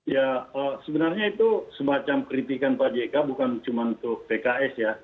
ya sebenarnya itu semacam kritikan pak jk bukan cuma untuk pks ya